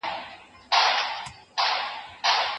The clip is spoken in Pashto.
پخوا خلګو فقر تقدير ګاڼه.